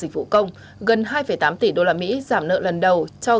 trong số tiền trên năm hai tỷ đô la mỹ sẽ được sử dụng để giảm nợ dịch vụ công